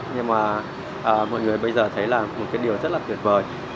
nhưng mà mọi người bây giờ thấy là một cái điều rất là tuyệt vời